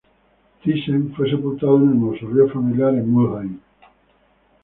Thyssen fue sepultado en el mausoleo familiar en Mülheim.